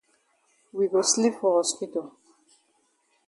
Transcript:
We go sleep for hospital.